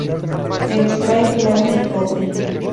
Se extrae plata y cobre.